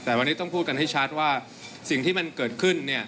แต่วันนี้ต้องพูดกันให้ชัดว่าสิ่งที่มันเกิดขึ้น